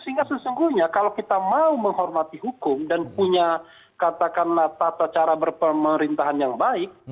sehingga sesungguhnya kalau kita mau menghormati hukum dan punya katakanlah tata cara berpemerintahan yang baik